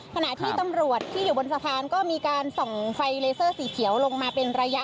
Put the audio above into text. ขณะที่ตำรวจที่อยู่บนสะพานก็มีการส่องไฟเลเซอร์สีเขียวลงมาเป็นระยะ